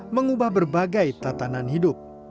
mengubah berbagai tatanan hidup